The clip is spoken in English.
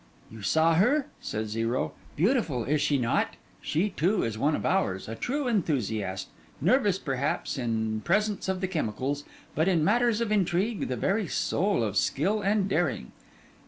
'You saw her?' said Zero. 'Beautiful, is she not? She, too, is one of ours: a true enthusiast: nervous, perhaps, in presence of the chemicals; but in matters of intrigue, the very soul of skill and daring.